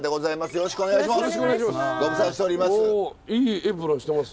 よろしくお願いします。